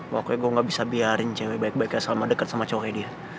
pokoknya gue gak bisa biarin cewek baik baiknya sama deket sama cowoknya dia